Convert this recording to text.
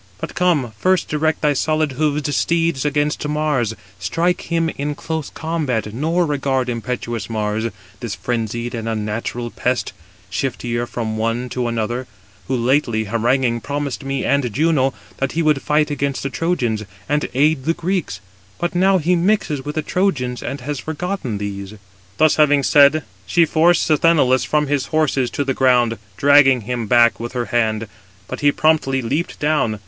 But come, first direct thy solid hoofed steeds against Mars, strike him in close combat, nor regard impetuous Mars, this frenzied and unnatural pest, shifter from one to another; who lately haranguing promised me and Juno, that he would fight against the Trojans, and aid the Greeks; but now he mixes with the Trojans, and has forgotten these." Thus having said, she forced Sthenelus from his horses to the ground, dragging him back with her hand; but he promptly leaped down.